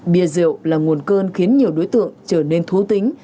bia rượu là nguồn cơn khiến nhiều đối tượng trở nên thú tính